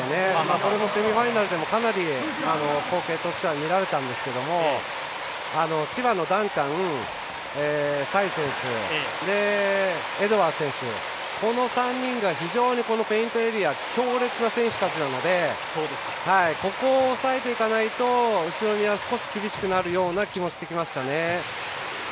これもセミファイナルでもかなり光景としては見られたんですけど千葉のダンカンサイズ選手、エドワーズ選手この３人が非常にペイントエリア強烈な選手たちなのでここを抑えていかないと宇都宮は少し厳しくなるような気もしてきましたね。